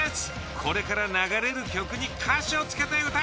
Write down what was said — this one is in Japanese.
これから流れる曲に歌詞をつけて歌え。